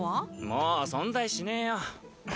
もう存在しねえよ